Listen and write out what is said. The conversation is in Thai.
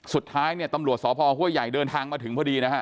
สุดท้ายเนี่ยตำรวจสพห้วยใหญ่เดินทางมาถึงพอดีนะฮะ